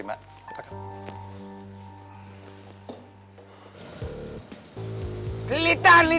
ini adalah hal yang harus kita lakukan jika kita bisa promosi